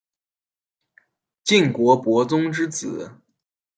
晋国伯宗之子。